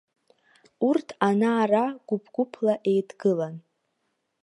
Урҭ ана-ара гәыԥ-гәыԥла еидгылан.